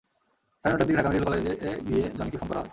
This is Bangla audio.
সাড়ে নয়টার দিকে ঢাকা মেডিকেল কলেজে গিয়ে জনিকে ফোন করা হয়।